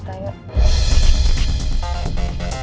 tentang aku yang punya panggil bantuan